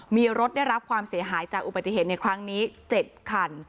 มีรถได้รับความเสียหายจากอุบัติเหตุในครั้งนี้๗คัน